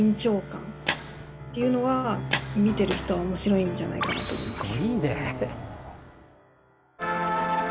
見てる人は面白いんじゃないかなと思います。